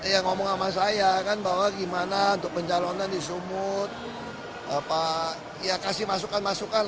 ya ngomong sama saya kan bahwa gimana untuk pencalonan disumut ya kasih masukan masukan